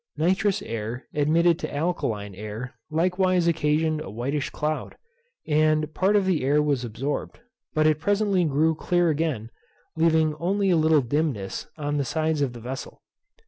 Nitrous air admitted to alkaline air likewise occasioned a whitish cloud, and part of the air was absorbed; but it presently grew clear again; leaving only a little dimness on the sides of the vessel.